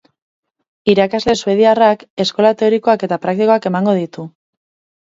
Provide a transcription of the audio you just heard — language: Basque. Irakasle suediarrak eskola teorikoak eta praktikoak emango ditu.